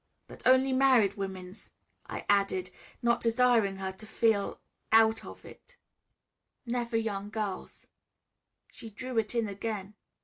"But only married women's," I added, not desiring her to feel out of it, "never young girls'." She drew it in again.